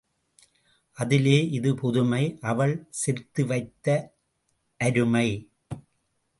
அதிலே இது புதுமை, அவள் செத்து வைத்த அருமை.